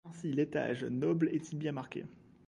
Ainsi l’étage noble est-il bien marqué.